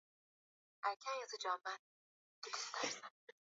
mbali na upungufu wa uwezo wa kushinda utashi huu Picha za bongo